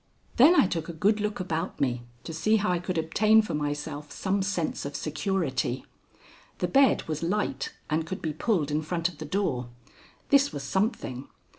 Then I took a good look about me to see how I could obtain for myself some sense of security. The bed was light and could be pulled in front of the door. This was something.